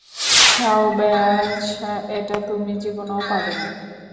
সাওভ্যাজ, এটা তুমি জীবনেও পাবে না!